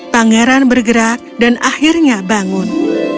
pangeran bergerak dan akhirnya bangun